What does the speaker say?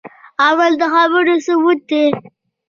عمل د خبرو ثبوت دی